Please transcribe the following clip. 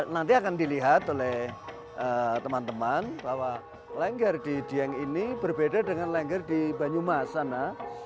nanti akan dilihat oleh teman teman bahwa lengger di dieng ini berbeda dengan lengger di banyumas sana